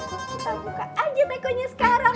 kita buka aja tekonya sekarang